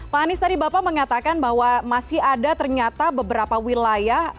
pak anies tadi bapak mengatakan bahwa masih ada ternyata beberapa wilayah